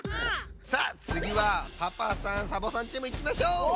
さあつぎはパパさんサボさんチームいきましょう！